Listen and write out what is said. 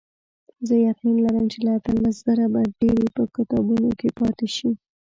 زه یقین لرم چې له اتلس زره به ډېرې په کتابونو کې پاتې شي.